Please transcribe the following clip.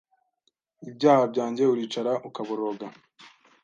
ibyaha byanjye uricara ukaboroga